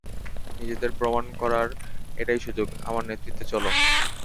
নিজেদের প্রমাণ করার এটাই সুযোগ, আমার নেতৃত্বে চলো।